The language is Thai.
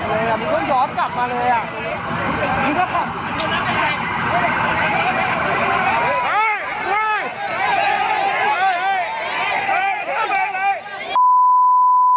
อะไรล่ะมีคนยอมกลับมาเลยอ่ะนี่ก็ขับ